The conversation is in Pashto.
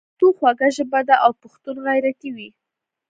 پښتو خوږه ژبه ده او پښتون غیرتي وي.